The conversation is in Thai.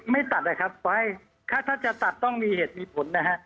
ตัดนะครับไฟถ้าจะตัดต้องมีเหตุมีผลนะฮะ